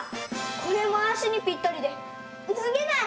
これも足にぴったりでぬげない！